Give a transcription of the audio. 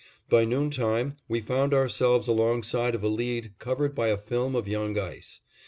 By noontime, we found ourselves alongside of a lead covered by a film of young ice.